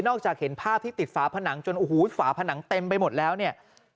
จากเห็นภาพที่ติดฝาผนังจนโอ้โหฝาผนังเต็มไปหมดแล้วเนี่ย